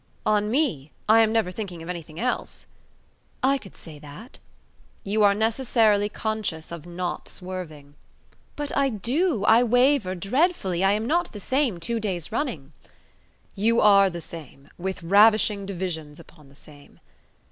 "On me? I am never thinking of anything else." "I could say that." "You are necessarily conscious of not swerving." "But I do; I waver dreadfully; I am not the same two days running." "You are the same, with 'ravishing divisions' upon the same."